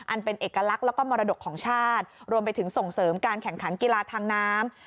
อันเป็นเอกลักษณ์แล้วก็มรดกของชาติรวมไปถึงส่งเสริมการแข่งขันกีฬาทางน้ำ